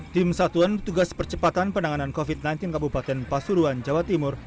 tim satuan tugas percepatan penanganan covid sembilan belas kabupaten pasuruan jawa timur